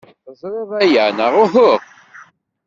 Teẓriḍ aya, neɣ uhu?